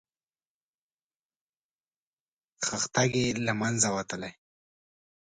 خښتګ یې له منځه وتلی.